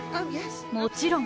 もちろん。